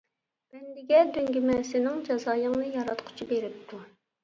بەندىگە دۆڭگىمە، سېنىڭ جازايىڭنى ياراتقۇچى بېرىپتۇ.